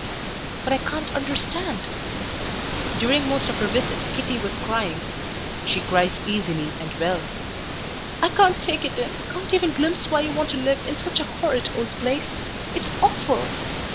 "But I can't understand " During most of her visit Kitty was crying. She cries easily and well. "I can't take it in, can't even glimpse why you want to live in such a horrid old place. It's awful!"